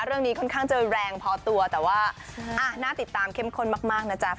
เรื่องนี้ค่อนข้างจะแรงพอตัวแต่ว่าน่าติดตามเข้มข้นมากนะจ๊ะ